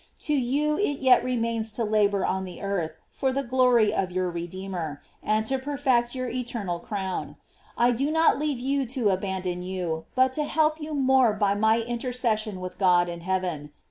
To you it yet remains to labor on the earth for the glory of your Redeemer, and to perfect your eternal crown. I do not leave you to abandon you, but to help you more by my in tercession with God in heaven.